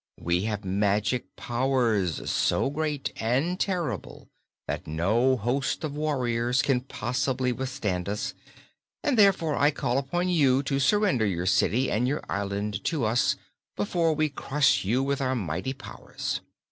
We have magic powers so great and terrible that no host of warriors can possibly withstand us, and therefore I call upon you to surrender your city and your island to us, before we crush you with our mighty powers."